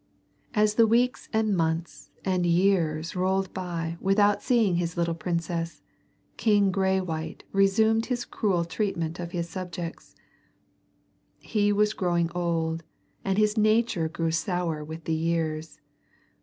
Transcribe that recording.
As the weeks and months and years rolled by without seeing the little princess, King Graywhite resumed his cruel treatment of his subjects. He was growing old and his nature grew sour with the years.